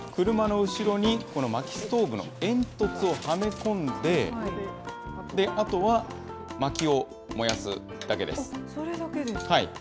車の後ろにこのまきストーブの煙突をはめ込んで、あとは、まきをそれだけですか。